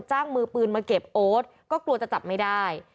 มือปืนมาเก็บโอ๊ตก็กลัวจะจับไม่ได้